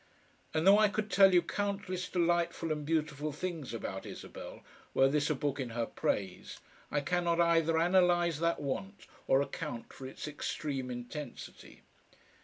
And though I could tell you countless delightful and beautiful things about Isabel, were this a book in her praise, I cannot either analyse that want or account for its extreme intensity.